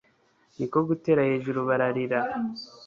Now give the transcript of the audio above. ni ko gutera hejuru bararira